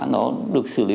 nó được xử lý